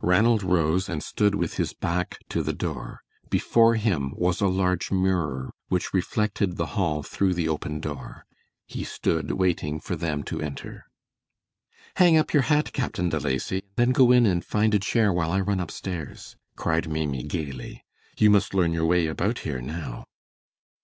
Ranald rose and stood with his back to the door. Before him was a large mirror which reflected the hall through the open door. He stood waiting for them to enter. "Hang up your hat, Captain De Lacy, then go in and find a chair while I run upstairs," cried Maimie, gayly. "You must learn your way about here now."